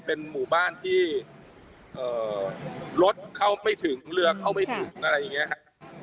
เป็นหมู่บ้านที่รถเข้าไม่ถึงเรือเข้าไม่ถึงอะไรอย่างนี้ครับ